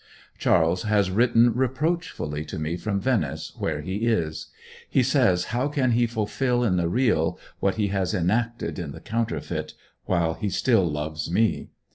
Charles has written reproachfully to me from Venice, where he is. He says how can he fulfil in the real what he has enacted in the counterfeit, while he still loves me?